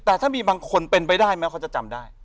แต่ถ้ามีบางคนเป็นไปได้ไหมเขาจะจำได้